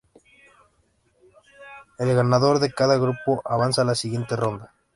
El ganador de cada grupo avanza a la siguiente ronda.